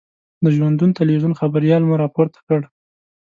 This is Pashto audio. د ژوندون تلویزون خبریال مو را پورته کړ.